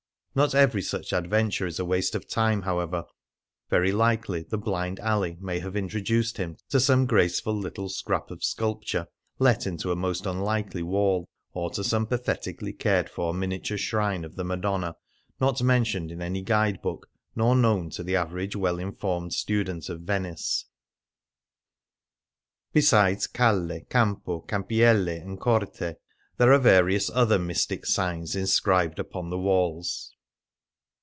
Not every such adventure is waste of time, however ; very likely the blind alley may have introduced him to some graceful little scrap of sculpture let into a most unlikely wall, or to some patheti cally cared for miniature shrine of the Madonna, not mentioned in any guide book, nor known to the average well informed student of Venice. Besides calUy campo^ campiello, and corte, there are various other mystic signs inscribed upon the walls.